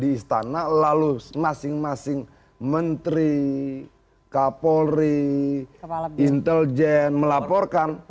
di istana lalu masing masing menteri kapolri intelijen melaporkan